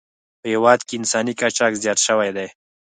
په هېواد کې انساني قاچاق زیات شوی دی.